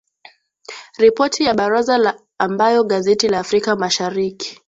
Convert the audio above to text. Ripoti ya Baraza la ambayo gazeti la Afrika mashariki